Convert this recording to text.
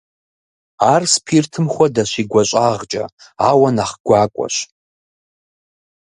Ар спиртым хуэдэщ и гуащӀагъкӀэ, ауэ нэхъ гуакӀуэщ.